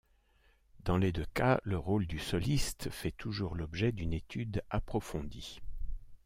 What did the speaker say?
Dans les deux cas, le rôle du soliste fait toujours l'objet d'une étude approfondie.